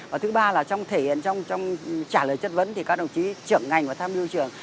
và thứ ba là trong thể hiện trong trả lời chất vấn thì các đồng chí trưởng ngành và tham mưu trưởng